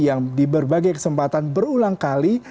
yang di berbagai kesempatan berulang kali